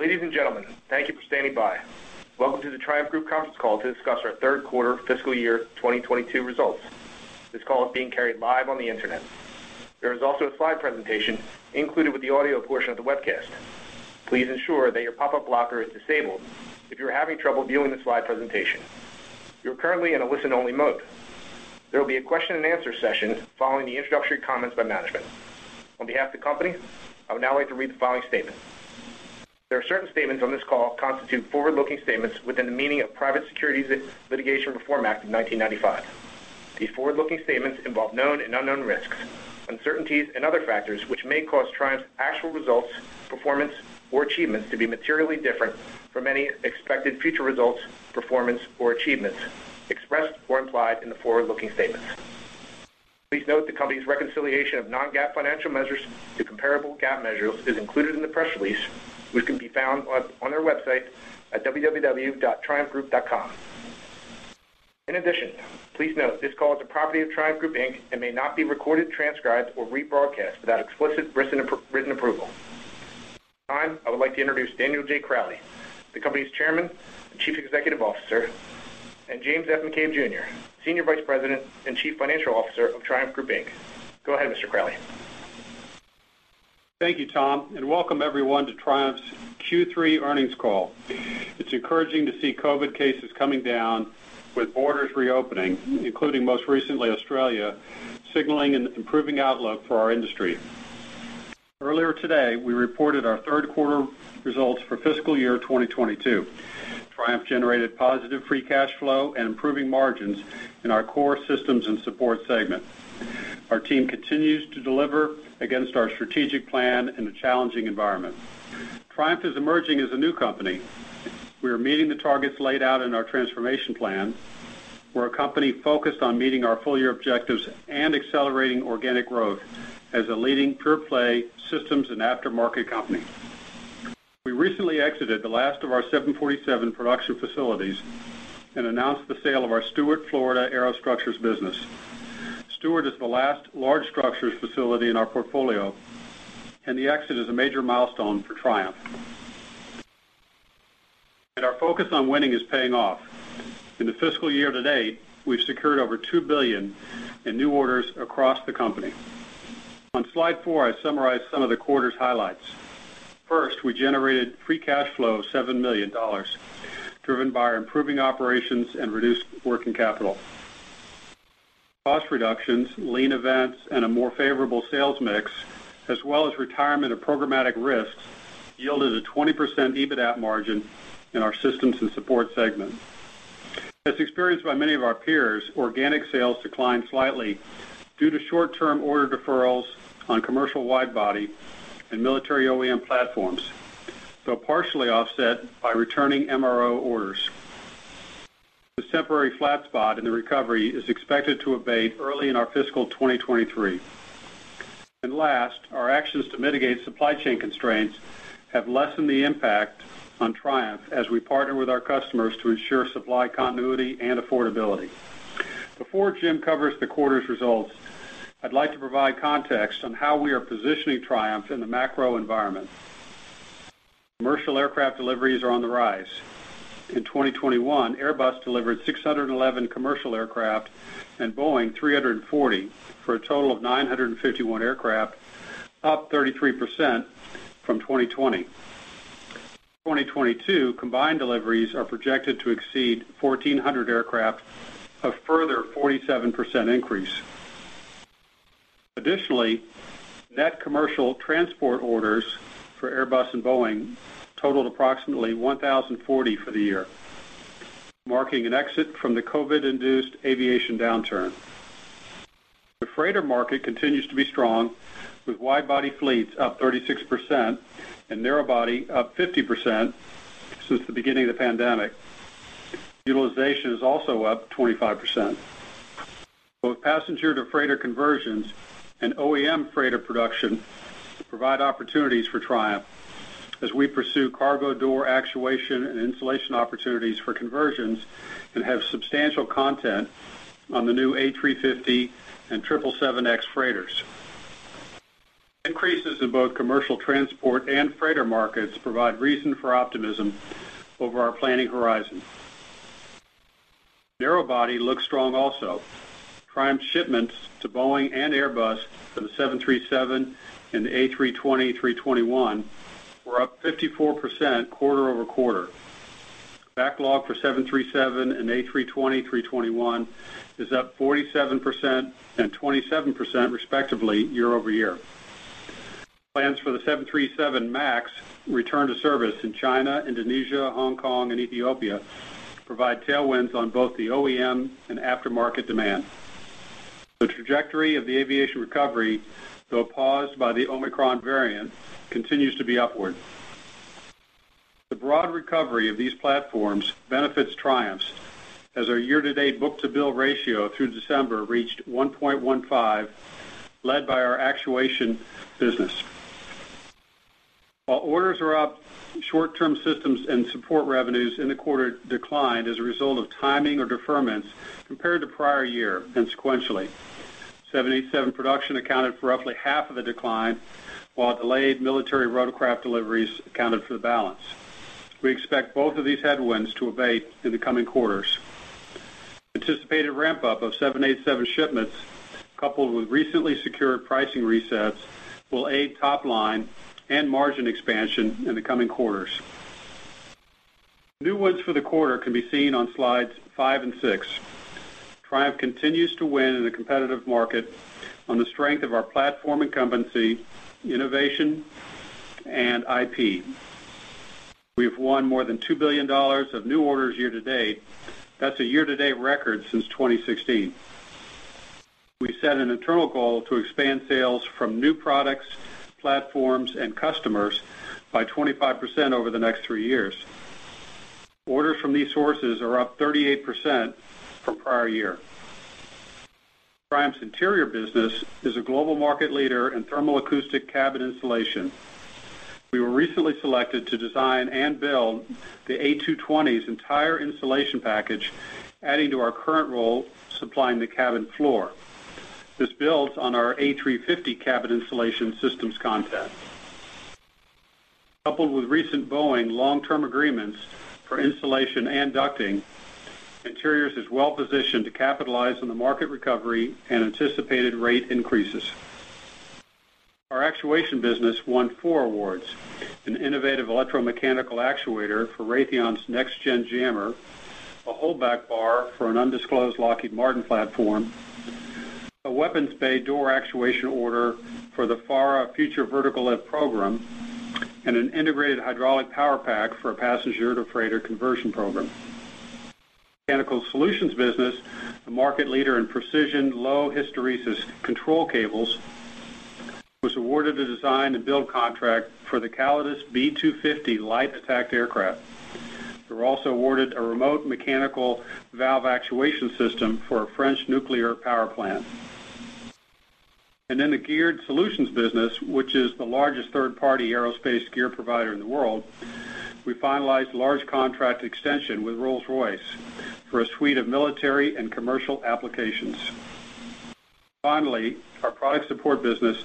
Ladies and gentlemen, thank you for standing by. Welcome to the Triumph Group conference call to discuss our Q3 fiscal year 2022 results. This call is being carried live on the Internet. There is also a slide presentation included with the audio portion of the webcast. Please ensure that your pop-up blocker is disabled if you are having trouble viewing the slide presentation. You are currently in a listen-only mode. There will be a question-and-answer session following the introductory comments by management. On behalf of the company, I would now like to read the following statement. There are certain statements on this call that constitute forward-looking statements within the meaning of the Private Securities Litigation Reform Act of 1995. These forward-looking statements involve known and unknown risks, uncertainties, and other factors which may cause Triumph's actual results, performance, or achievements to be materially different from any expected future results, performance, or achievements expressed or implied in the forward-looking statements. Please note the company's reconciliation of non-GAAP financial measures to comparable GAAP measures is included in the press release, which can be found on their website at www.triumphgroup.com. In addition, please note this call is a property of Triumph Group, Inc., and may not be recorded, transcribed, or rebroadcast without explicit written approval. Tom, I would like to introduce Daniel J. Crowley, the company's Chairman and Chief Executive Officer, and James F. McCabe, Jr., Senior Vice President and Chief Financial Officer of Triumph Group, Inc. Go ahead, Mr. Crowley. Thank you, Tom, and welcome everyone to Triumph's Q3 earnings call. It's encouraging to see COVID cases coming down with borders reopening, including most recently Australia, signaling an improving outlook for our industry. Earlier today, we reported our Q3 results for fiscal year 2022. Triumph generated positive free cash flow and improving margins in our core systems and support segment. Our team continues to deliver against our strategic plan in a challenging environment. Triumph is emerging as a new company. We are meeting the targets laid out in our transformation plan. We're a company focused on meeting our full-year objectives and accelerating organic growth as a leading pure-play systems and aftermarket company. We recently exited the last of our 747 production facilities and announced the sale of our Stuart, Florida aerostructures business. Stuart is the last large structures facility in our portfolio, and the exit is a major milestone for Triumph. Our focus on winning is paying off. In the fiscal year to date, we've secured over $2 billion in new orders across the company. On slide four, I summarized some of the quarter's highlights. First, we generated free cash flow of $7 million, driven by our improving operations and reduced working capital. Cost reductions, lean events, and a more favorable sales mix, as well as retirement of programmatic risks, yielded a 20% EBITDA margin in our Systems and Support segment. As experienced by many of our peers, organic sales declined slightly due to short-term order deferrals on commercial wide-body and military OEM platforms, though partially offset by returning MRO orders. This temporary flat spot in the recovery is expected to abate early in our fiscal 2023. Last, our actions to mitigate supply chain constraints have lessened the impact on Triumph as we partner with our customers to ensure supply continuity and affordability. Before Jame covers the quarter's results, I'd like to provide context on how we are positioning Triumph in the macro environment. Commercial aircraft deliveries are on the rise. In 2021, Airbus delivered 611 commercial aircraft and Boeing 340, for a total of 951 aircraft, up 33% from 2020. In 2022, combined deliveries are projected to exceed 1,400 aircraft, a further 47% increase. Additionally, net commercial transport orders for Airbus and Boeing totaled approximately 1,040 for the year, marking an exit from the COVID-induced aviation downturn. The freighter market continues to be strong, with wide-body fleets up 36% and narrow body up 50% since the beginning of the pandemic. Utilization is also up 25%. Both passenger-to-freighter conversions and OEM freighter production provide opportunities for Triumph as we pursue cargo door actuation and installation opportunities for conversions and have substantial content on the new A350 and 777X freighters. Increases in both commercial transport and freighter markets provide reason for optimism over our planning horizon. Narrow body looks strong also. Triumph shipments to Boeing and Airbus for the 737 and the A320, 321 were up 54% quarter-over-quarter. Backlog for 737 and A320, 321 is up 47% and 27% respectively year-over-year. Plans for the 737 MAX return to service in China, Indonesia, Hong Kong, and Ethiopia provide tailwinds on both the OEM and aftermarket demand. The trajectory of the aviation recovery, though paused by the Omicron variant, continues to be upward. The broad recovery of these platforms benefits Triumph as our year-to-date book-to-bill ratio through December reached 1.15, led by our actuation business. While orders are up, short-term Systems and Support revenues in the quarter declined as a result of timing or deferments compared to prior year and sequentially. 787 production accounted for roughly half of the decline, while delayed military rotorcraft deliveries accounted for the balance. We expect both of these headwinds to abate in the coming quarters. Anticipated ramp-up of 787 shipments, coupled with recently secured pricing resets, will aid top line and margin expansion in the coming quarters. New wins for the quarter can be seen on slides five and six. Triumph continues to win in a competitive market on the strength of our platform incumbency, innovation, and IP. We've won more than $2 billion of new orders year-to-date. That's a year-to-date record since 2016. We set an internal goal to expand sales from new products, platforms, and customers by 25% over the next three years. Orders from these sources are up 38% from prior year. Triumph's interior business is a global market leader in thermal acoustic cabin insulation. We were recently selected to design and build the A220's entire insulation package, adding to our current role supplying the cabin floor. This builds on our A350 cabin insulation systems contract. Coupled with recent Boeing long-term agreements for insulation and ducting, Interiors is well-positioned to capitalize on the market recovery and anticipated rate increases. Our actuation business won four awards, an innovative electromechanical actuator for Raytheon's Next Generation Jammer, a holdback bar for an undisclosed Lockheed Martin platform, a weapons bay door actuation order for the FARA Future Vertical Lift program, and an integrated hydraulic power pack for a passenger-to-freighter conversion program. Mechanical Solutions business, the market leader in precision low hysteresis control cables, was awarded a design and build contract for the Calidus B-250 light attack aircraft. They were also awarded a remote mechanical valve actuation system for a French nuclear power plant. In the Geared Solutions business, which is the largest third-party aerospace gear provider in the world, we finalized a large contract extension with Rolls-Royce for a suite of military and commercial applications. Finally, our Product Support business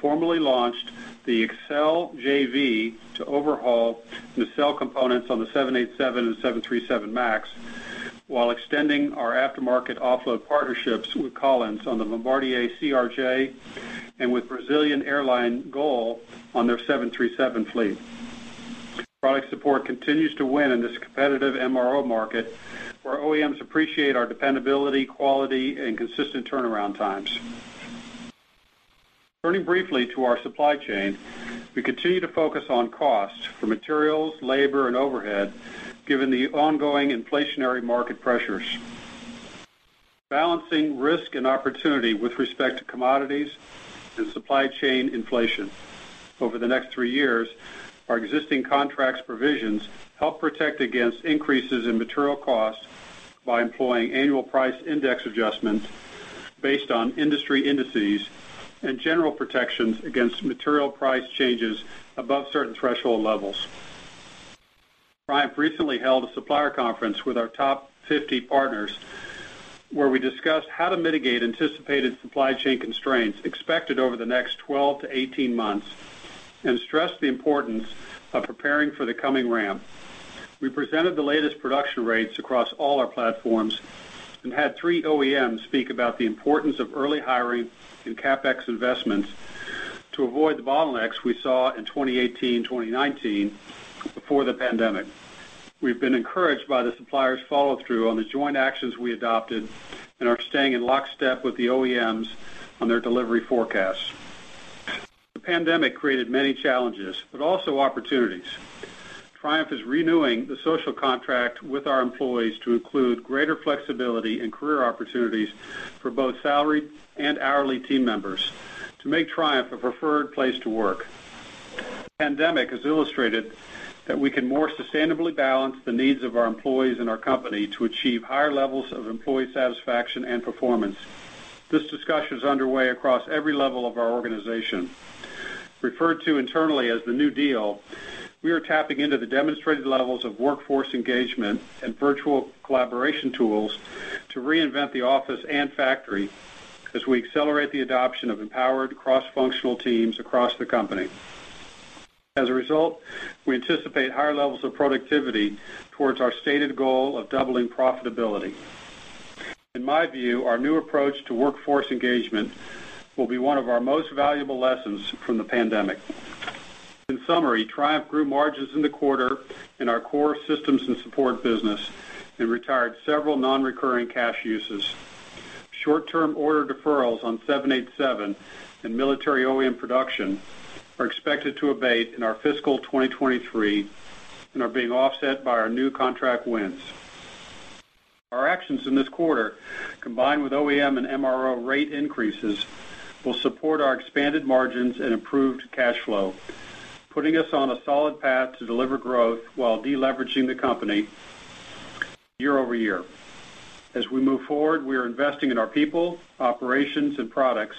formally launched the xCelle JV to overhaul nacelle components on the 787 and 737 MAX, while extending our aftermarket offload partnerships with Collins on the Bombardier CRJ and with Brazilian airline GOL on their 737 fleet. Product Support continues to win in this competitive MRO market, where OEMs appreciate our dependability, quality, and consistent turnaround times. Turning briefly to our supply chain, we continue to focus on costs for materials, labor, and overhead, given the ongoing inflationary market pressures, balancing risk and opportunity with respect to commodities and supply chain inflation. Over the next three years, our existing contracts provisions help protect against increases in material costs by employing annual price index adjustments based on industry indices and general protections against material price changes above certain threshold levels. Triumph recently held a supplier conference with our top 50 partners, where we discussed how to mitigate anticipated supply chain constraints expected over the next 12-18 months and stressed the importance of preparing for the coming ramp. We presented the latest production rates across all our platforms and had three OEMs speak about the importance of early hiring and CapEx investments to avoid the bottlenecks we saw in 2018, 2019 before the pandemic. We've been encouraged by the suppliers' follow-through on the joint actions we adopted and are staying in lockstep with the OEMs on their delivery forecasts. The pandemic created many challenges, but also opportunities. Triumph is renewing the social contract with our employees to include greater flexibility and career opportunities for both salaried and hourly team members to make Triumph a preferred place to work. The pandemic has illustrated that we can more sustainably balance the needs of our employees and our company to achieve higher levels of employee satisfaction and performance. This discussion is underway across every level of our organization. Referred to internally as the New Deal, we are tapping into the demonstrated levels of workforce engagement and virtual collaboration tools to reinvent the office and factory as we accelerate the adoption of empowered cross-functional teams across the company. As a result, we anticipate higher levels of productivity towards our stated goal of doubling profitability. In my view, our new approach to workforce engagement will be one of our most valuable lessons from the pandemic. In summary, Triumph grew margins in the quarter in our core systems and support business and retired several nonrecurring cash uses. Short-term order deferrals on 787 and military OEM production are expected to abate in our fiscal 2023 and are being offset by our new contract wins. Our actions in this quarter, combined with OEM and MRO rate increases, will support our expanded margins and improved cash flow, putting us on a solid path to deliver growth while deleveraging the company year over year. As we move forward, we are investing in our people, operations, and products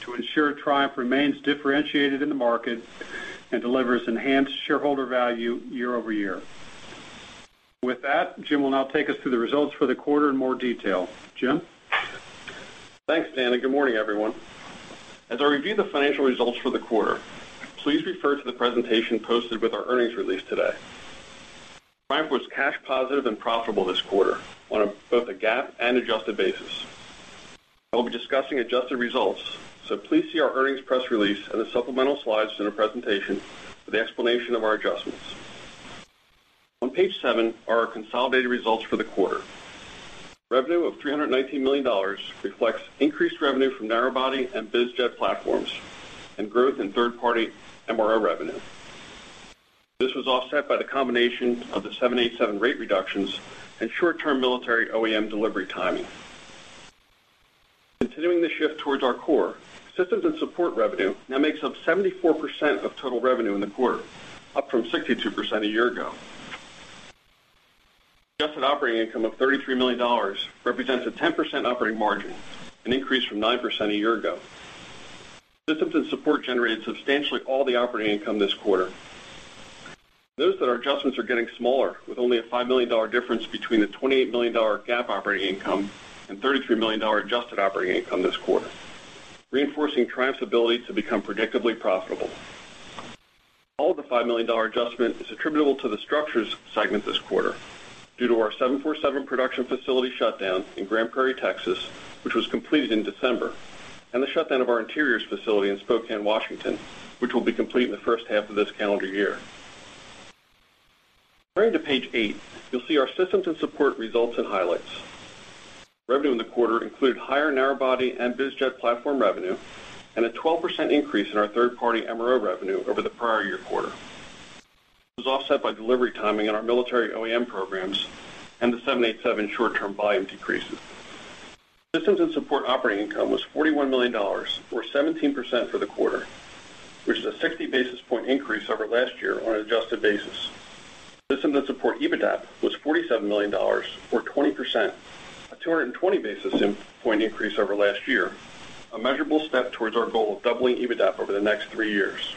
to ensure Triumph remains differentiated in the market and delivers enhanced shareholder value year over year. With that, Jame will now take us through the results for the quarter in more detail. Jame. Thanks, Dan, and good morning, everyone. As I review the financial results for the quarter, please refer to the presentation posted with our earnings release today. Triumph was cash positive and profitable this quarter on both a GAAP and adjusted basis. I will be discussing adjusted results, so please see our earnings press release and the supplemental slides in the presentation for the explanation of our adjustments. On page seven are our consolidated results for the quarter. Revenue of $319 million reflects increased revenue from narrow-body and biz jet platforms and growth in third-party MRO revenue. This was offset by the combination of the 787 rate reductions and short-term military OEM delivery timing. Continuing the shift towards our core, systems and support revenue now makes up 74% of total revenue in the quarter, up from 62% a year ago. Adjusted operating income of $33 million represents a 10% operating margin, an increase from 9% a year ago. Systems and Support generated substantially all the operating income this quarter. Those that are adjustments are getting smaller with only a $5 million difference between the $28 million GAAP operating income and $33 million adjusted operating income this quarter, reinforcing Triumph's ability to become predictably profitable. All the $5 million adjustment is attributable to the Structures segment this quarter due to our 747 production facility shutdown in Grand Prairie, Texas, which was completed in December, and the shutdown of our Interiors facility in Spokane, Washington, which will be complete in the first half of this calendar year. Turning to page eight, you'll see our Systems and Support results and highlights. Revenue in the quarter included higher narrow body and biz jet platform revenue and a 12% increase in our third-party MRO revenue over the prior year quarter. It was offset by delivery timing in our military OEM programs and the 787 short-term volume decreases. Systems & Support operating income was $41 million or 17% for the quarter, which is a 60 basis point increase over last year on an adjusted basis. Systems & Support EBITDA was $47 million, or 20%, a 220 basis point increase over last year, a measurable step towards our goal of doubling EBITDA over the next three years.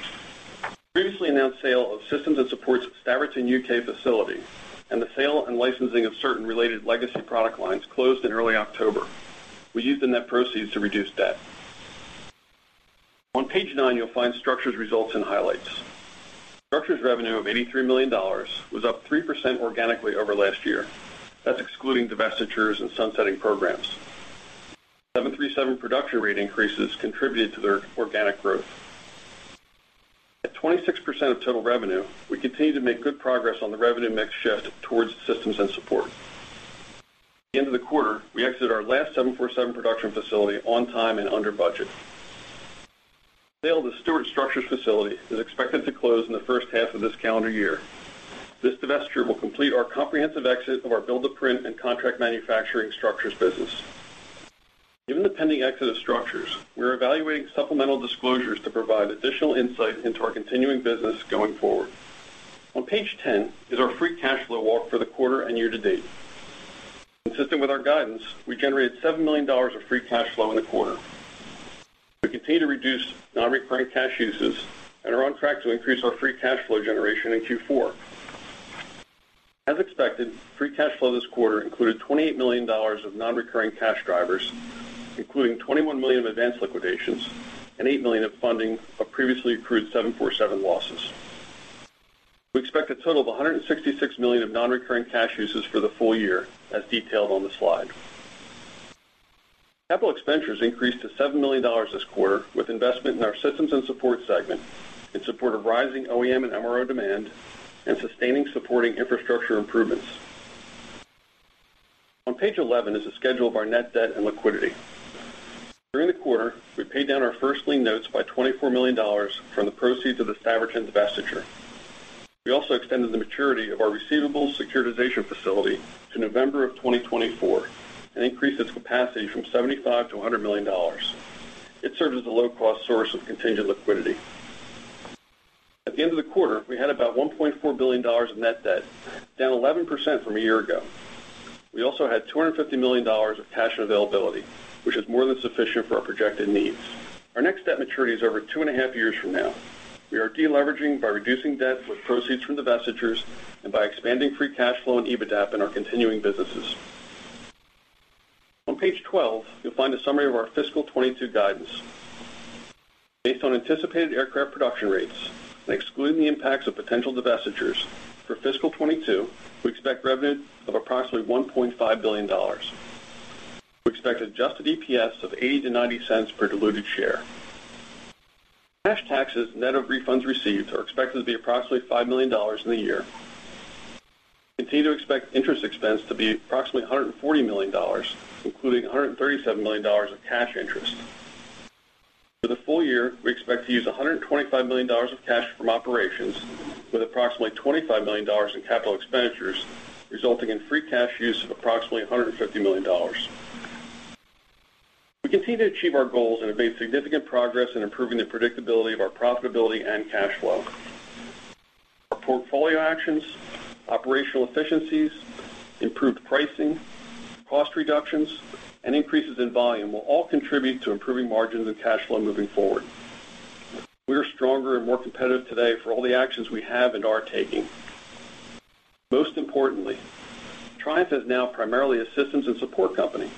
Previously announced sale of Systems & Support's Staverton, U.K. facility, and the sale and licensing of certain related legacy product lines closed in early October. We used the net proceeds to reduce debt. On page nine, you'll find Structures results and highlights. Structures revenue of $83 million was up 3% organically over last year. That's excluding divestitures and sunsetting programs. 737 production rate increases contributed to the organic growth. At 26% of total revenue, we continue to make good progress on the revenue mix shift towards systems and support. At the end of the quarter, we exited our last 747 production facility on time and under budget. Sale of the Stuart Structures facility is expected to close in the first half of this calendar year. This divestiture will complete our comprehensive exit of our build-to-print and contract manufacturing structures business. Given the pending exit of structures, we're evaluating supplemental disclosures to provide additional insight into our continuing business going forward. On page ten is our free cash flow walk for the quarter and year to date. Consistent with our guidance, we generated $7 million of free cash flow in the quarter. We continue to reduce non-recurring cash uses and are on track to increase our free cash flow generation in Q4. As expected, free cash flow this quarter included $28 million of non-recurring cash drivers, including $21 million of advanced liquidations and $8 million of funding of previously accrued 747 losses. We expect a total of $166 million of non-recurring cash uses for the full year as detailed on the slide. Capital expenditures increased to $7 million this quarter with investment in our Systems & Support segment in support of rising OEM and MRO demand and sustaining supporting infrastructure improvements. On page 11 is a schedule of our net debt and liquidity. During the quarter, we paid down our first lien notes by $24 million from the proceeds of the Staverton divestiture. We also extended the maturity of our receivable securitization facility to November 2024 and increased its capacity from $75 million-$100 million. It served as a low-cost source of contingent liquidity. At the end of the quarter, we had about $1.4 billion in net debt, down 11% from a year ago. We also had $250 million of cash availability, which is more than sufficient for our projected needs. Our next debt maturity is over 2.5 years from now. We are de-leveraging by reducing debt with proceeds from divestitures and by expanding free cash flow and EBITDA in our continuing businesses. On page 12, you'll find a summary of our fiscal 2022 guidance. Based on anticipated aircraft production rates and excluding the impacts of potential divestitures, for fiscal 2022, we expect revenue of approximately $1.5 billion. We expect adjusted EPS of $0.80-$0.90 per diluted share. Cash taxes, net of refunds received, are expected to be approximately $5 million in the year. We continue to expect interest expense to be approximately $140 million, including $137 million of cash interest. For the full year, we expect to use $125 million of cash from operations with approximately $25 million in capital expenditures, resulting in free cash use of approximately $150 million. We continue to achieve our goals and have made significant progress in improving the predictability of our profitability and cash flow. Our portfolio actions, operational efficiencies, improved pricing, cost reductions, and increases in volume will all contribute to improving margins and cash flow moving forward. We are stronger and more competitive today for all the actions we have and are taking. Most importantly, Triumph is now primarily a systems and support company.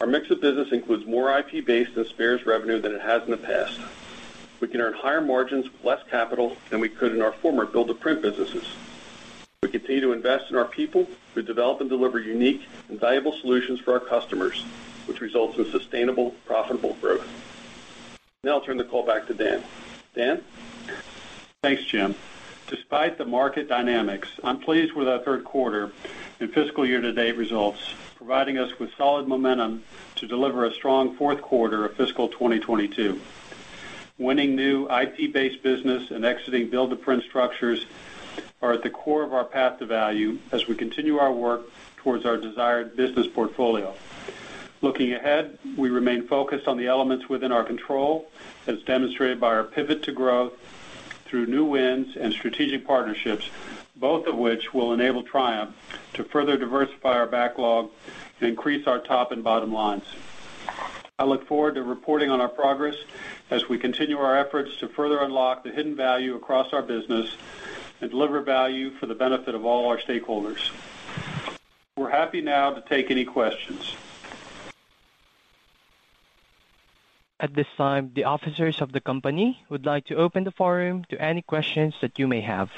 Our mix of business includes more IP-based and spares revenue than it has in the past. We can earn higher margins with less capital than we could in our former build-to-print businesses. We continue to invest in our people who develop and deliver unique and valuable solutions for our customers, which results in sustainable, profitable growth. Now I'll turn the call back to Dan. Dan? Thanks, Jame. Despite the market dynamics, I'm pleased with our Q3 and fiscal year-to-date results, providing us with solid momentum to deliver a strong Q4 of fiscal 2022. Winning new IP-based business and exiting build-to-print structures are at the core of our path to value as we continue our work towards our desired business portfolio. Looking ahead, we remain focused on the elements within our control, as demonstrated by our pivot to growth through new wins and strategic partnerships, both of which will enable Triumph to further diversify our backlog and increase our top and bottom lines. I look forward to reporting on our progress as we continue our efforts to further unlock the hidden value across our business and deliver value for the benefit of all our stakeholders. We're happy now to take any questions. At this time, the officers of the company would like to open the forum to any questions that you may have.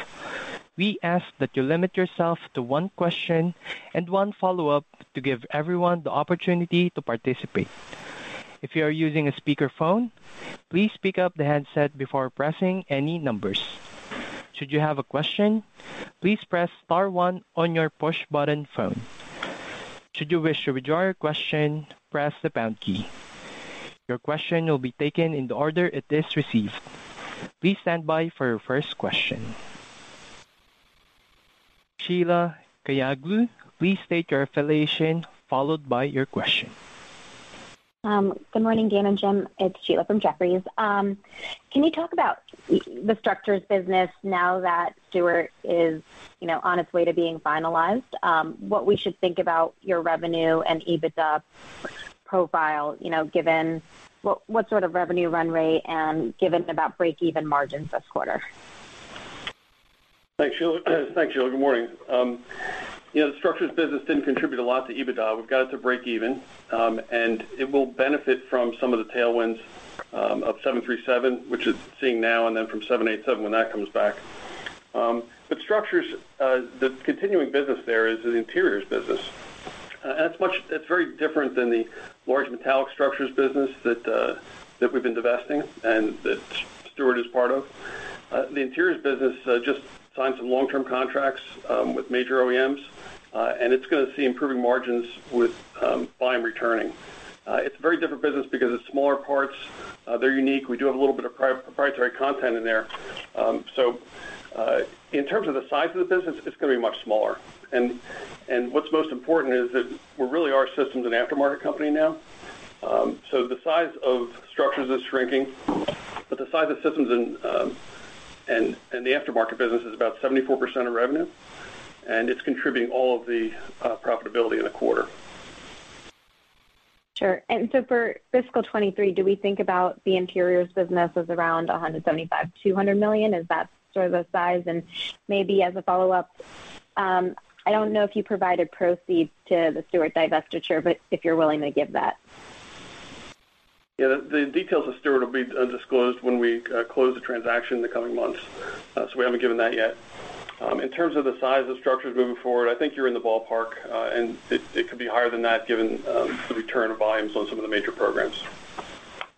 We ask that you limit yourself to one question and one follow-up to give everyone the opportunity to participate. If you are using a speakerphone, please pick up the handset before pressing any numbers. Should you have a question, please press star one on your push button phone. Should you wish to withdraw your question, press the pound key. Your question will be taken in the order it is received. Please stand by for your first question. Sheila Kahyaoglu, please state your affiliation followed by your question. Good morning, Dan and Jame. It's Sheila from Jefferies. Can you talk about the structures business now that Stuart is, you know, on its way to being finalized, what we should think about your revenue and EBITDA profile, you know, given what sort of revenue run rate and given about breakeven margins this quarter? Thanks, Sheila. Good morning. You know, the structures business didn't contribute a lot to EBITDA. We've got it to breakeven, and it will benefit from some of the tailwinds of 737, which we're seeing now and then from 787 when that comes back. Structures, the continuing business there is the interiors business. It's very different than the large metallic structures business that we've been divesting and that Stuart is part of. The interiors business just signed some long-term contracts with major OEMs, and it's gonna see improving margins with volume returning. It's a very different business because it's smaller parts. They're unique. We do have a little bit of proprietary content in there. In terms of the size of the business, it's gonna be much smaller. What's most important is that we really are a systems and aftermarket company now. The size of structures is shrinking, but the size of systems and the aftermarket business is about 74% of revenue, and it's contributing all of the profitability in the quarter. Sure. For fiscal 2023, do we think about the interiors business as around $175-$200 million? Is that sort of the size? Maybe as a follow-up, I don't know if you provided proceeds from the Stuart divestiture, but if you're willing to give that. Yeah. The details of Stuart will be undisclosed when we close the transaction in the coming months, so we haven't given that yet. In terms of the size of structures moving forward, I think you're in the ballpark, and it could be higher than that given the return of volumes on some of the major programs.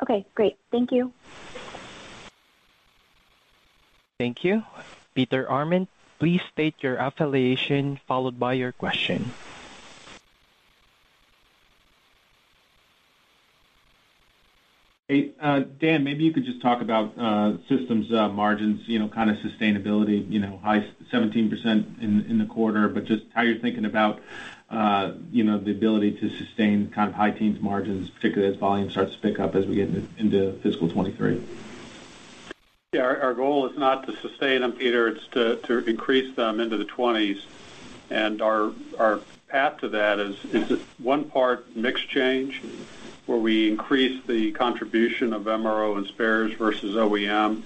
Okay, great. Thank you. Thank you. Peter Arment, please state your affiliation followed by your question. Hey, Dan, maybe you could just talk about systems margins, you know, kind of sustainability, you know, high 17% in the quarter, but just how you're thinking about, you know, the ability to sustain kind of high teens margins, particularly as volume starts to pick up as we get into fiscal 2023. Yeah. Our goal is not to sustain them, Peter. It's to increase them into the twenties. Our path to that is one part mix change, where we increase the contribution of MRO and spares versus OEM.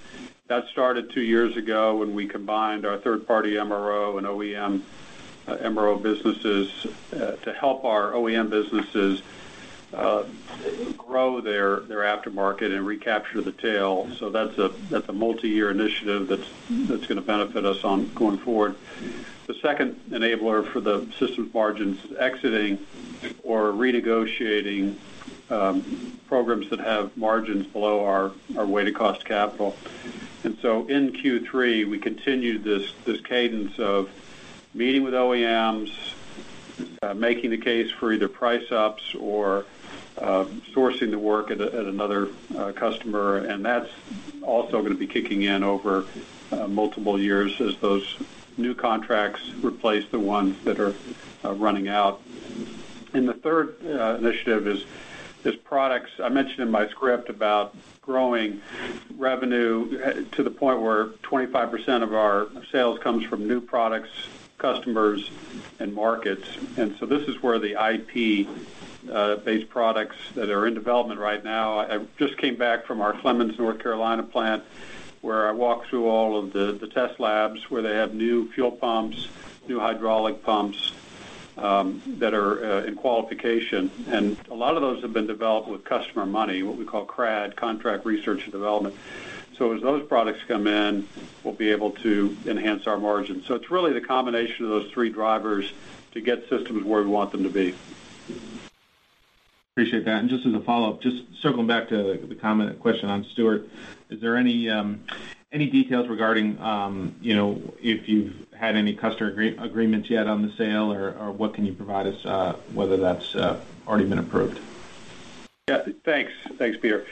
That started two years ago when we combined our third-party MRO and OEM MRO businesses to help our OEM businesses grow their aftermarket and recapture the tail. That's a multi-year initiative that's gonna benefit us going forward. The second enabler for the systems margins is exiting or renegotiating programs that have margins below our weighted average cost of capital. In Q3, we continued this cadence of meeting with OEMs, making the case for either price ups or sourcing the work at another customer. That's also gonna be kicking in over multiple years as those new contracts replace the ones that are running out. The third initiative is products. I mentioned in my script about growing revenue to the point where 25% of our sales comes from new products, customers and markets. This is where the IP-based products that are in development right now. I just came back from our Clemmons, North Carolina plant, where I walked through all of the test labs, where they have new fuel pumps, new hydraulic pumps that are in qualification. A lot of those have been developed with customer money, what we call CRAD, Contract Research and Development. As those products come in, we'll be able to enhance our margins. It's really the combination of those three drivers to get systems where we want them to be. Appreciate that. Just as a follow-up, just circling back to the comment and question on Stuart. Is there any details regarding you know, if you've had any customer agreements yet on the sale, or what can you provide us, whether that's already been approved? Yeah. Thanks. Thanks, Peter.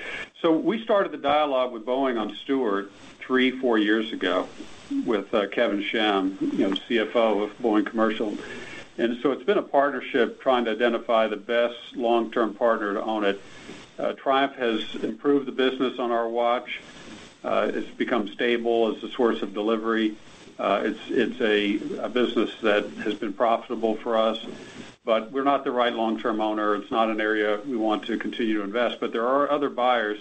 We started the dialogue with Boeing on Stuart three-four years ago with Kevin McAllister, you know, CFO of Boeing Commercial. It's been a partnership trying to identify the best long-term partner to own it. Triumph has improved the business on our watch. It's become stable as a source of delivery. It's a business that has been profitable for us. We're not the right long-term owner. It's not an area we want to continue to invest, but there are other buyers.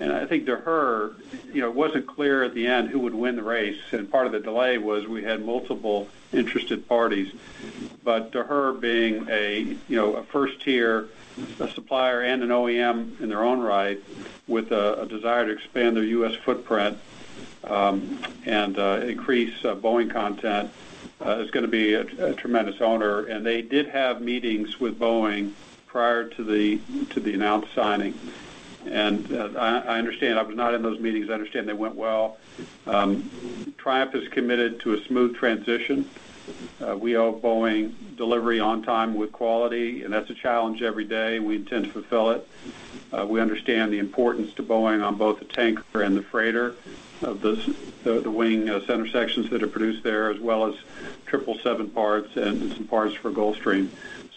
I think, too, you know, it wasn't clear at the end who would win the race, and part of the delay was we had multiple interested parties. To their being a first tier supplier and an OEM in their own right with a desire to expand their U.S. footprint and increase Boeing content is gonna be a tremendous opportunity. They did have meetings with Boeing prior to the announced signing. I understand I was not in those meetings. I understand they went well. Triumph is committed to a smooth transition. We owe Boeing delivery on time with quality, and that's a challenge every day, and we intend to fulfill it. We understand the importance to Boeing on both the Tanker and the Freighter of this, the wing center sections that are produced there, as well as triple seven parts and some parts for Gulfstream.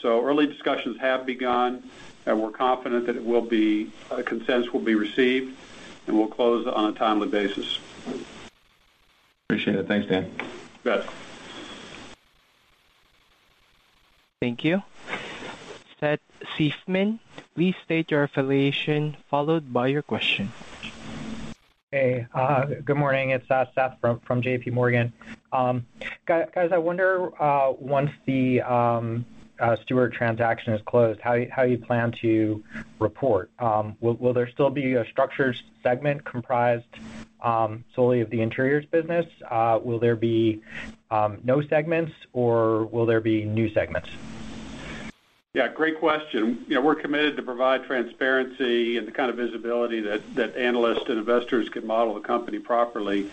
Early discussions have begun, and we're confident that a consensus will be received, and we'll close on a timely basis. Appreciate it. Thanks, Dan. You bet. Thank you. Seth Seifman, please state your affiliation followed by your question. Hey, good morning. It's Seth from JPMorgan. Guys, I wonder once the Stuart transaction is closed, how you plan to report. Will there still be a Structures segment comprised solely of the Interiors business? Will there be no segments, or will there be new segments? Yeah, great question. You know, we're committed to provide transparency and the kind of visibility that analysts and investors can model the company properly.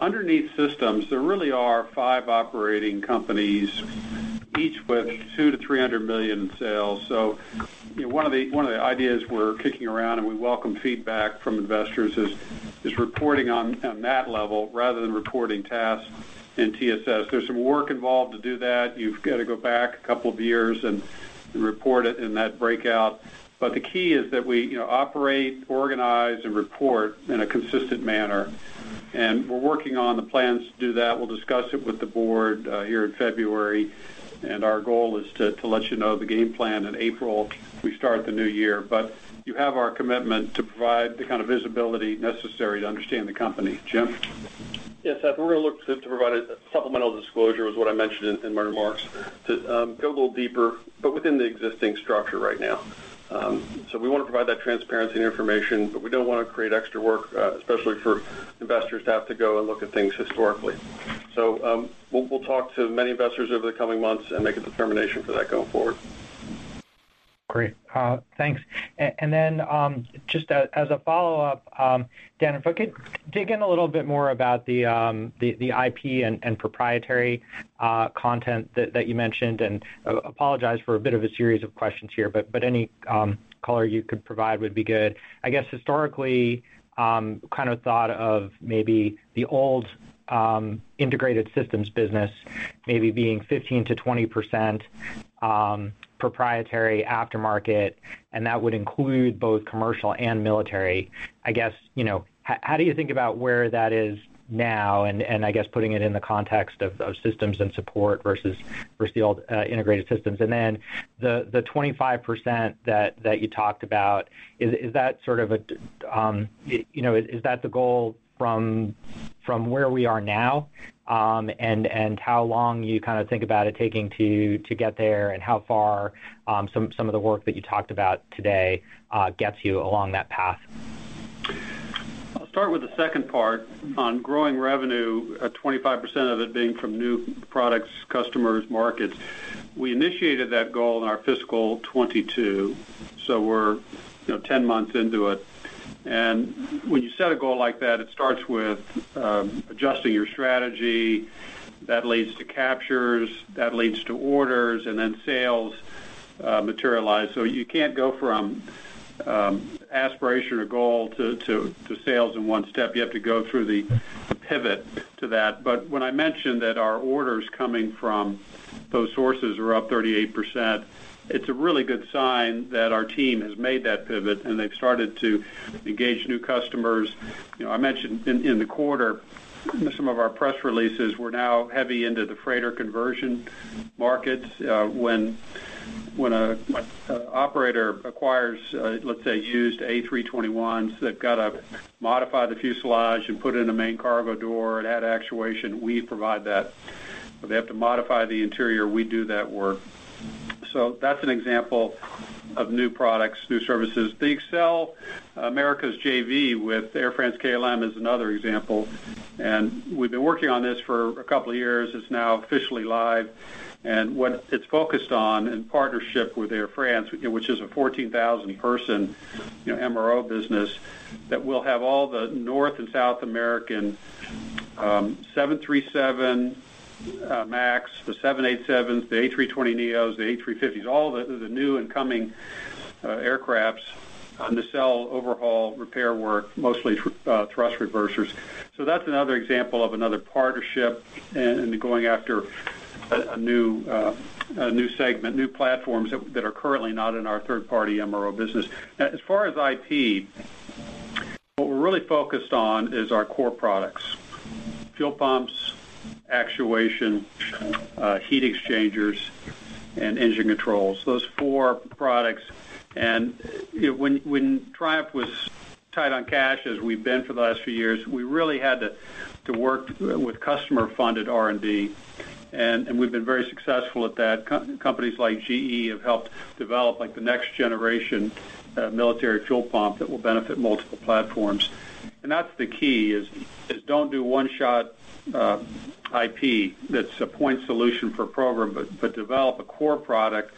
Underneath systems, there really are five operating companies, each with $200 million-$300 million in sales. You know, one of the ideas we're kicking around, and we welcome feedback from investors, is reporting on that level rather than reporting tasks in TSS. There's some work involved to do that. You've got to go back a couple of years and report it in that breakout. The key is that you know, we operate, organize, and report in a consistent manner, and we're working on the plans to do that. We'll discuss it with the board here in February. Our goal is to let you know the game plan in April, we start the new year. You have our commitment to provide the kind of visibility necessary to understand the company. Jame? Yes, Seth, we're going to look to provide a supplemental disclosure, is what I mentioned in my remarks, to go a little deeper, but within the existing structure right now. We want to provide that transparency and information, but we don't want to create extra work, especially for investors to have to go and look at things historically. We'll talk to many investors over the coming months and make a determination for that going forward. Great. Thanks. Just as a follow-up, Dan, if I could dig in a little bit more about the IP and proprietary content that you mentioned, and apologize for a bit of a series of questions here, but any color you could provide would be good. I guess, historically, I kind of thought of maybe the old Integrated Systems business maybe being 15%-20% proprietary aftermarket, and that would include both commercial and military. I guess, you know, how do you think about where that is now? I guess putting it in the context of those Systems & Support versus the old Integrated Systems. The 25% that you talked about, is that sort of a, you know, is that the goal from where we are now? How long you kind of think about it taking to get there, and how far some of the work that you talked about today gets you along that path? I'll start with the second part. On growing revenue, 25% of it being from new products, customers, markets. We initiated that goal in our fiscal 2022, so we're, you know, 10 months into it. When you set a goal like that, it starts with adjusting your strategy. That leads to captures, that leads to orders, and then sales materialize. You can't go from aspiration or goal to sales in one step. You have to go through the pivot to that. When I mentioned that our orders coming from those sources are up 38%, it's a really good sign that our team has made that pivot, and they've started to engage new customers. You know, I mentioned in the quarter some of our press releases, we're now heavy into the freighter conversion markets, when a operator acquires, let's say, used A321s, they've got to modify the fuselage and put in a main cargo door and add actuation, we provide that. If they have to modify the interior, we do that work. So that's an example of new products, new services. The xCelle Americas JV with Air France-KLM is another example, and we've been working on this for a couple of years. It's now officially live. What it's focused on in partnership with Air France, which is a 14,000-person, you know, MRO business that will have all the North and South American 737 MAX, the 787s, the A320neos, the A350s, all the new and coming aircraft on the sole overhaul repair work, mostly thrust reversers. That's another example of another partnership and going after a new segment, new platforms that are currently not in our third-party MRO business. Now, as far as IP, what we're really focused on is our core products, fuel pumps, actuation, heat exchangers, and engine controls. Those four products. When Triumph was tight on cash, as we've been for the last few years, we really had to work with customer-funded R&D, and we've been very successful at that. Companies like GE have helped develop, like, the next generation military fuel pump that will benefit multiple platforms. That's the key is don't do one-shot IP that's a point solution for a program, but develop a core product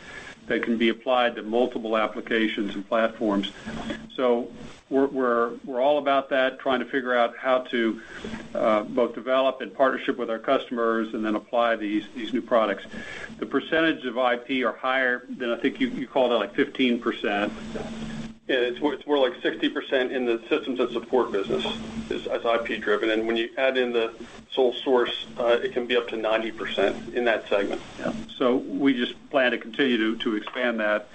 that can be applied to multiple applications and platforms. We're all about that, trying to figure out how to both develop in partnership with our customers and then apply these new products. The percentage of IP are higher than I think you called it, like, 15%. Yeah. It's more like 60% in the systems and support business is as IP-driven. When you add in the sole source, it can be up to 90% in that segment. Yeah. We just plan to continue to expand that.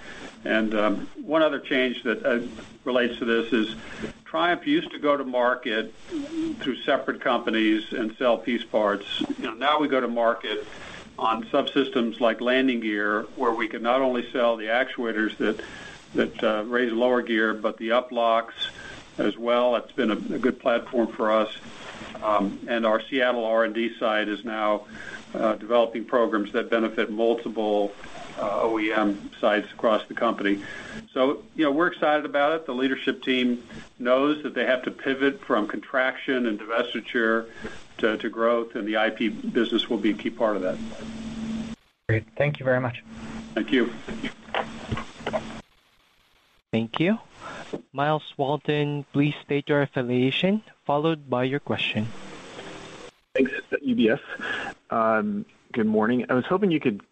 One other change that relates to this is Triumph used to go to market through separate companies and sell piece parts. You know, now we go to market on subsystems like landing gear, where we can not only sell the actuators that raise and lower gear, but the uplocks as well. It's been a good platform for us. Our Seattle R&D site is now developing programs that benefit multiple OEM sites across the company. You know, we're excited about it. The leadership team knows that they have to pivot from contraction and divestiture to growth, and the IP business will be a key part of that. Great. Thank you very much. Thank you. Thank you. Myles Walton, please state your affiliation followed by your question. Thanks. It's UBS. Good morning. I was hoping you could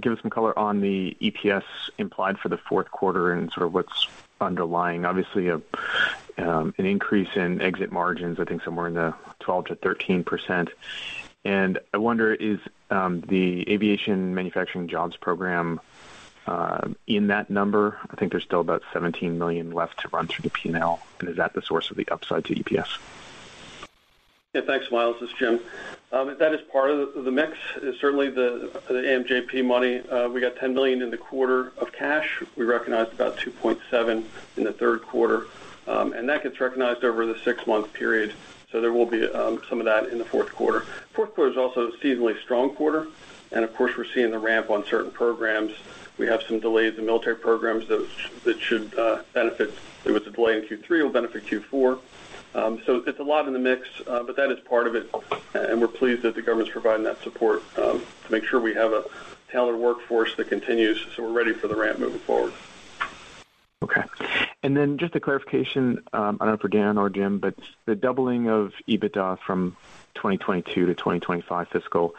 give us some color on the EPS implied for the Q4 and sort of what's underlying. Obviously, an increase in exit margins, I think somewhere in the 12%-13%. I wonder, is the Aviation Manufacturing Jobs Protection Program in that number? I think there's still about $17 million left to run through the P&L, and is that the source of the upside to EPS? Yeah. Thanks, Myles. This is Jame. That is part of the mix is certainly the AMJP money. We got $10 million in the quarter of cash. We recognized about $2.7 million in the Q3, and that gets recognized over the six-month period, so there will be some of that in the Q4. Q4 is also a seasonally strong quarter, and of course, we're seeing the ramp on certain programs. We have some delays in military programs that should benefit. It was a delay in Q3, will benefit Q4. It's a lot in the mix, but that is part of it, and we're pleased that the government's providing that support to make sure we have a tailored workforce that continues, so we're ready for the ramp moving forward. Okay. Just a clarification, I don't know, for Dan or Jame, but the doubling of EBITDA from 2022 to 2025 fiscal,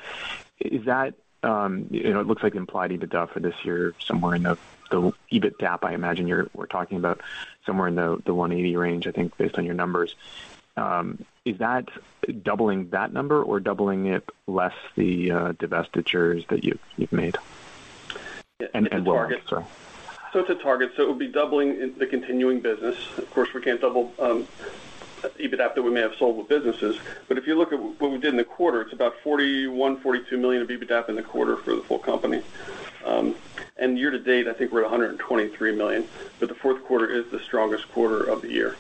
is that, you know, it looks like implied EBITDA for this year somewhere in the EBITDAP, I imagine we're talking about somewhere in the $180 range, I think, based on your numbers. Is that doubling that number or doubling it less the divestitures that you've made? It's a target. It would be doubling in the continuing business. Of course, we can't double EBITDAP that we may have sold with businesses. If you look at what we did in the quarter, it's about $41 million-$42 million of EBITDAP in the quarter for the full company. Year to date, I think we're at $123 million, but the Q4 is the strongest quarter of the year.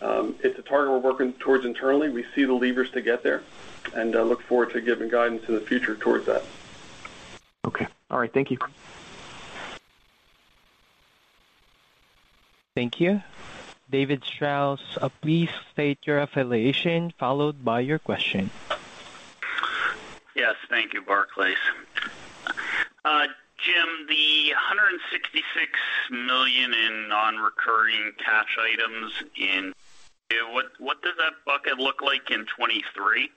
It's a target we're working towards internally. We see the levers to get there and look forward to giving guidance in the future towards that. Okay. All right. Thank you. Thank you. David Strauss, please state your affiliation followed by your question. Yes, thank you. Barclays. Jame, the $166 million in non-recurring cash items in 2022, what does that bucket look like in 2023?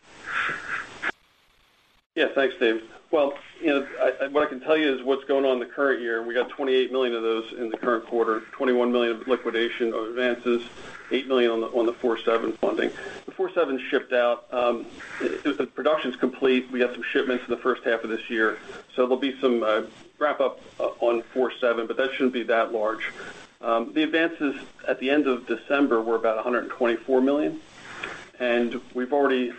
Yeah. Thanks, Dave. Well, you know, I, what I can tell you is what's going on in the current year. We got $28 million of those in the current quarter, $21 million of liquidation or advances, $8 million on the 747 funding. The 747 shipped out. Production's complete. We got some shipments in the first half of this year, so there'll be some wrap up on 747, but that shouldn't be that large. The advances at the end of December were about $124 million, and we've already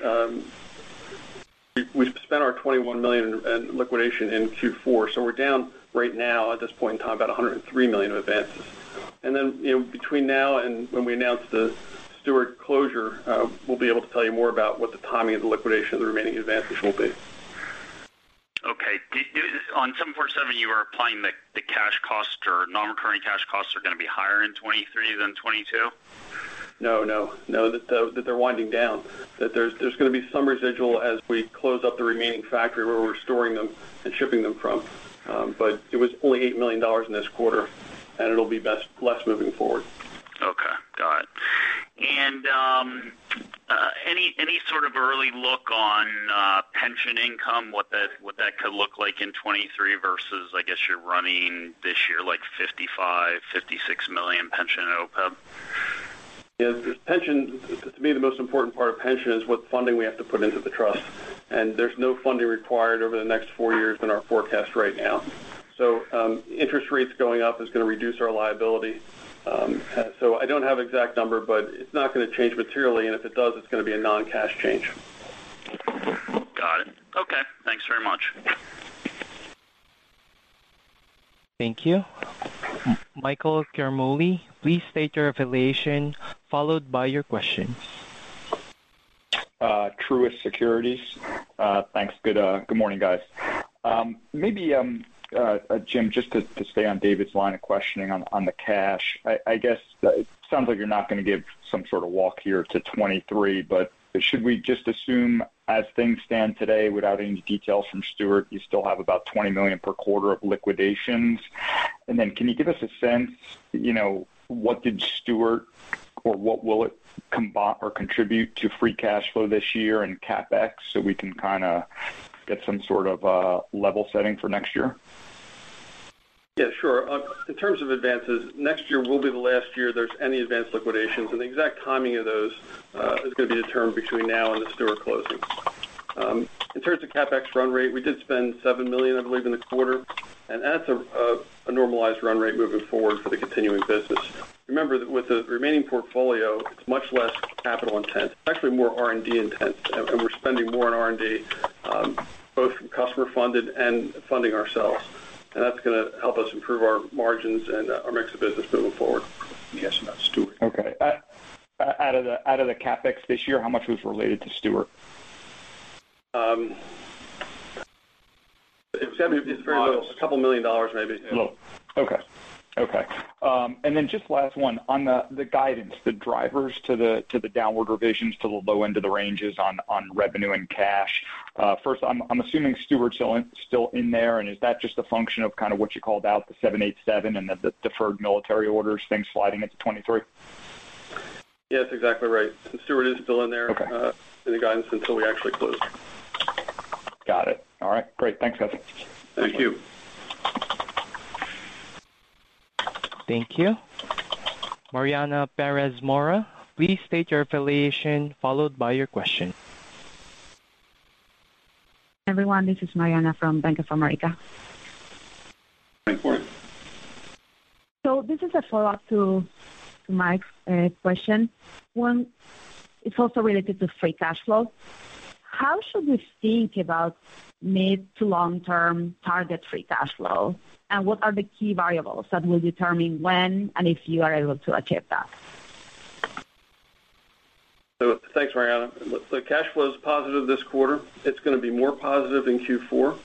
spent our $21 million in liquidation in Q4. We're down right now at this point in time about $103 million of advances. You know, between now and when we announce the Stuart closure, we'll be able to tell you more about what the timing of the liquidation of the remaining advances will be. Okay. On 747, you are applying the cash costs or non-recurring cash costs are gonna be higher in 2023 than 2022? No, they're winding down. That there's gonna be some residual as we close up the remaining factory where we're storing them and shipping them from. But it was only $8 million in this quarter, and it'll be less moving forward. Okay. Got it. Any sort of early look on pension income, what that could look like in 2023 versus, I guess, you're running this year, like $55-$56 million pension OPEB? Yeah. Pension, to me, the most important part of pension is what funding we have to put into the trust. There's no funding required over the next four years in our forecast right now. Interest rates going up is gonna reduce our liability. I don't have exact number, but it's not gonna change materially, and if it does, it's gonna be a non-cash change. Got it. Okay. Thanks very much. Thank you. Michael Ciarmoli, please state your affiliation followed by your questions. Truist Securities. Thanks. Good morning, guys. Maybe Jame, just to stay on David's line of questioning on the cash. I guess it sounds like you're not gonna give some sort of walk here to 2023, but should we just assume as things stand today, without any details from Stuart, you still have about $20 million per quarter of liquidations? And then can you give us a sense, you know, what will it contribute to free cash flow this year and CapEx so we can kind of get some sort of level setting for next year? Yeah, sure. In terms of advances, next year will be the last year there's any advanced liquidations, and the exact timing of those is gonna be determined between now and the year closing. In terms of CapEx run rate, we did spend $7 million, I believe, in the quarter, and that's a normalized run rate moving forward for the continuing business. Remember that with the remaining portfolio, it's much less capital intense. It's actually more R&D intense, and we're spending more on R&D, both customer funded and funding ourselves. That's gonna help us improve our margins and our mix of business moving forward. Any guess about Stuart. Okay. Out of the CapEx this year, how much was related to Stuart? It's very little. A couple million dollars maybe. Little. Okay. Just last one. On the guidance, the drivers to the downward revisions to the low end of the ranges on revenue and cash. First, I'm assuming Stuart's still in there, and is that just a function of kind of what you called out, the 787 and the deferred military orders, things sliding into 2023? Yes, exactly right. Stuart is still in there. Okay. in the guidance until we actually close. Got it. All right. Great. Thanks, guys. Thank you. Thank you. Mariana Perez Mora, please state your affiliation followed by your question. Everyone, this is Mariana from Bank of America. Thanks for it. This is a follow-up to Mike's question. It's also related to free cash flow. How should we think about mid- to long-term target free cash flow? What are the key variables that will determine when and if you are able to achieve that? Thanks, Mariana. The cash flow is positive this quarter. It's gonna be more positive in Q4.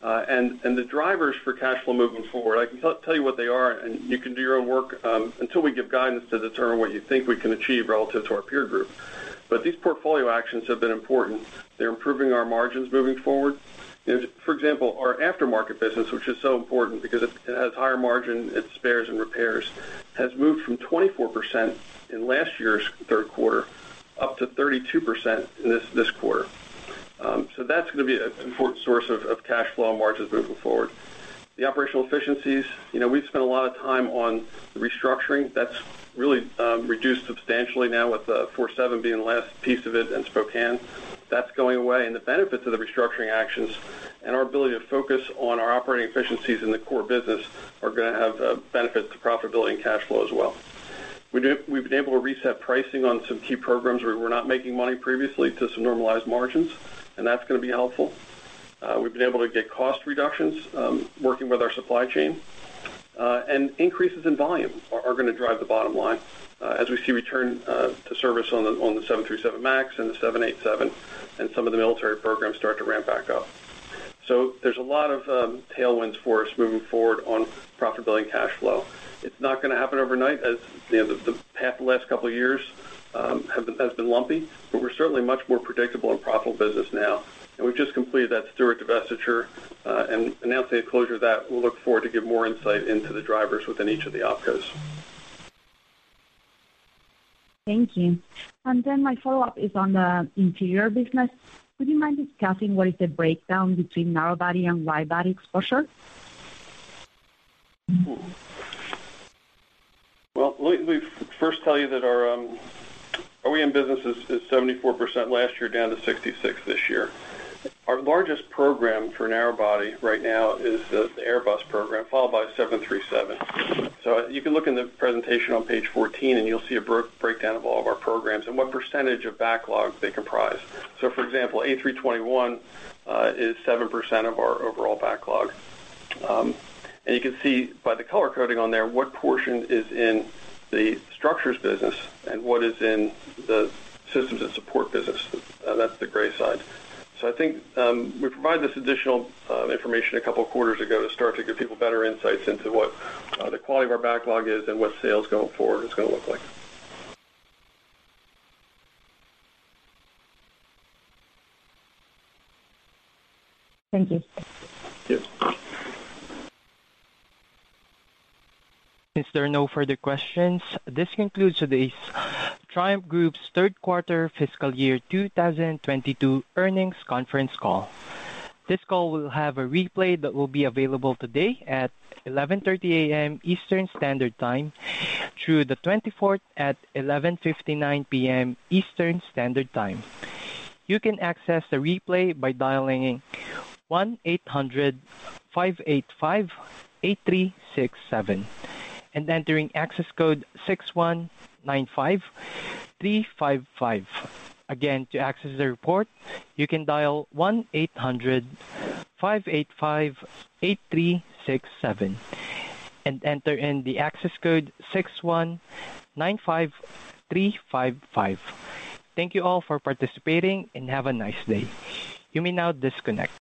The drivers for cash flow moving forward, I can tell you what they are, and you can do your own work until we give guidance to determine what you think we can achieve relative to our peer group. These portfolio actions have been important. They're improving our margins moving forward. For example, our aftermarket business, which is so important because it has higher margin, it spares and repairs, has moved from 24% in last year's Q3 up to 32% this quarter. That's gonna be an important source of cash flow and margins moving forward. The operational efficiencies, you know, we've spent a lot of time on restructuring. That's really reduced substantially now with 747 being the last piece of it in Spokane. That's going away. The benefits of the restructuring actions and our ability to focus on our operating efficiencies in the core business are gonna have benefits to profitability and cash flow as well. We've been able to reset pricing on some key programs where we're not making money previously to some normalized margins, and that's gonna be helpful. We've been able to get cost reductions working with our supply chain. Increases in volume are gonna drive the bottom line as we see return to service on the 737 MAX and the 787, and some of the military programs start to ramp back up. There's a lot of tailwinds for us moving forward on profitability and cash flow. It's not gonna happen overnight, as you know, the last couple of years have been lumpy, but we're certainly much more predictable and profitable business now. We've just completed that Stuart divestiture and announced the closure that we'll look forward to give more insight into the drivers within each of the OpCos. Thank you. My follow-up is on the interior business. Would you mind discussing what is the breakdown between narrow body and wide body exposure? Well, let me first tell you that our OEM business is 74% last year, down to 66% this year. Our largest program for narrow-body right now is the Airbus program, followed by 737. You can look in the presentation on page 14, and you'll see a breakdown of all of our programs and what percentage of backlog they comprise. For example, A321 is 7% of our overall backlog. And you can see by the color coding on there what portion is in the structures business and what is in the systems and support business. That's the gray side. I think we provided this additional information a couple of quarters ago to start to give people better insights into what the quality of our backlog is and what sales going forward is gonna look like. Thank you. Yes. If there are no further questions, this concludes today's Triumph Group's Q3 fiscal year 2022 earnings conference call. This call will have a replay that will be available today at 11:30 A.M. Eastern Standard Time through the 24th at 11:59 P.M. Eastern Standard Time. You can access the replay by dialing 1-800-585-8367 and entering access code 6195355. Again, to access the replay, you can dial 1-800-585-8367 and enter in the access code 6195355. Thank you all for participating and have a nice day. You may now disconnect.